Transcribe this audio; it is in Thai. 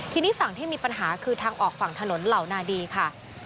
ทีนี้ฝั่งที่มีปัญหาคือทางออกฝั่งถนนเหล่านาดีค่ะ